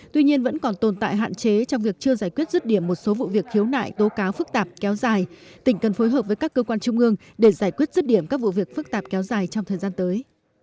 tuy nhiên vẫn còn tồn tại hạn chế trong việc chưa giải quyết rứt điểm một số vụ việc khiếu nại tố cáo phức tạp kéo dài tỉnh cần phối hợp với các cơ quan trung ương để giải quyết rứt điểm các vụ việc phức tạp kéo dài trong thời gian tới